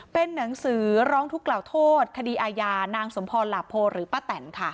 เป็นหนังสือร้องทุกข์กล่าวโทษคดีอาญานางสมพรหลาโพหรือป้าแตนค่ะ